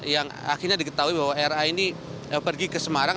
yang akhirnya diketahui bahwa ra ini pergi ke semarang